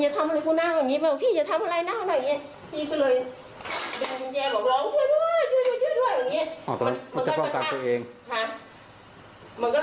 ทีนี้หลอกออกไปตะโกนคนเขาเห็นดางเทนงละ